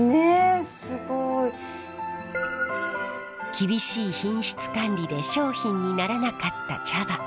厳しい品質管理で商品にならなかった茶葉。